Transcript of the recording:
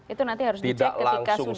itu nanti harus dicek ketika sudah